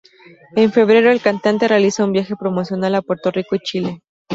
En febrero, el cantante realiza un viaje promocional a Puerto Rico y Chile.